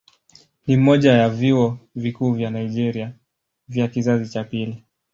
Ni mmoja ya vyuo vikuu vya Nigeria vya kizazi cha pili.